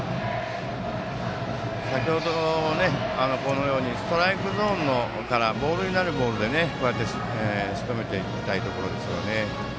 先程のようにストライクゾーンでボールになるボールでしとめていきたいところですね。